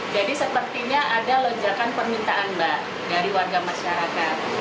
jadi sepertinya ada lejakan permintaan dari warga masyarakat